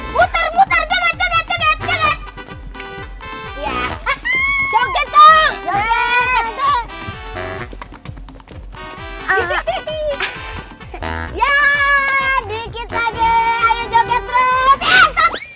putar putar jangan jangan jangan